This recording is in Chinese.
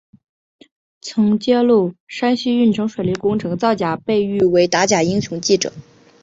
曾揭露山西运城水利工程造假被誉为打假英雄记者。